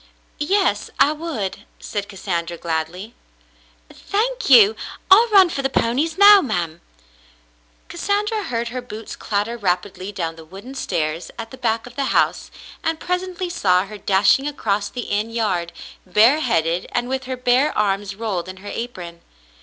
"Yes, I would," said Cassandra, gladly. Cassandra at Queensderry 279 "Thank you. I'll run for the ponies now, ma'm. Cassandra heard her boots clatter rapidly down the wooden stairs at the back of the house, and presently saw her dashing across the inn yard, bareheaded and with her bare arms rolled in her apron.